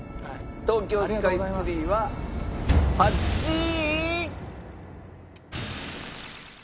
東京スカイツリーは８位。